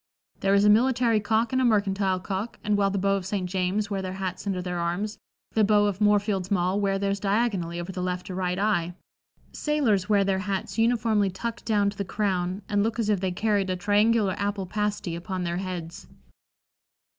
There is a military cock and a mercantile cock, and while the beaux of St. James wear their hats under their arms, the beaux of Moorfields Mall wear theirs diagonally over the left or right eye; sailors wear their hats uniformly tucked down to the crown, and look as if they carried a triangular apple pasty upon their heads."